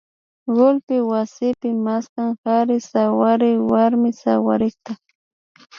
kullpi wasipi maskan kari sawarik warmi sawarikta